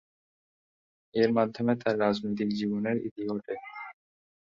এর মাধ্যমে তার রাজনৈতিক জীবনের ইতি ঘটে।